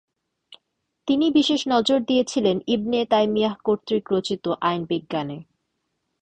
তিনি বিশেষ নজর দিয়েছিলেন ইবনে তাইমিয়াহ কর্তৃক রচিত আইনবিজ্ঞানে।